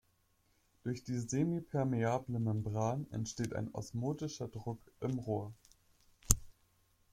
Durch die semipermeable Membran entsteht ein osmotischer Druck im Rohr.